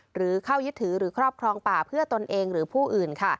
หรือเข้ายึดถือหรือครอบครองป่าเพื่อตนเองหรือผู้อื่น